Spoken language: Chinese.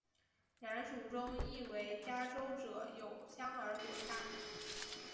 然蜀中亦为嘉州者有香而朵大。